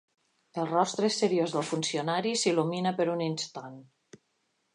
El rostre seriós del funcionari s'il·lumina per un instant.